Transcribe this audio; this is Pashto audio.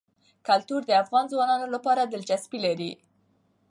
کلتور د افغان ځوانانو لپاره دلچسپي لري.